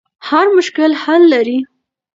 هر مشکل حل لري.